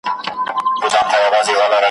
چی له ظلمه تښتېدلی د انسان وم ,